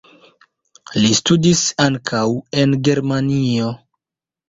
Li studis ankaŭ en Germanio.